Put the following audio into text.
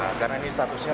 nah karena ini statusnya